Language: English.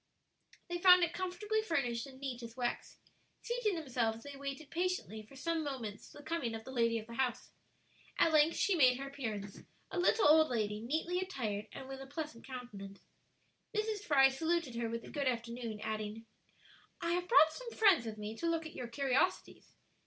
They found it comfortably furnished and neat as wax. Seating themselves they waited patiently for some moments the coming of the lady of the house. At length she made her appearance; a little old lady, neatly attired, and with a pleasant countenance. Mrs. Fry saluted her with a good afternoon, adding, "I have brought some friends with me to look at your curiosities.